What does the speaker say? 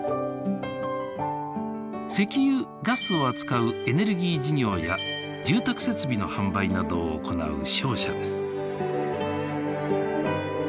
石油・ガスを扱うエネルギー事業や住宅設備の販売などを行う商社です。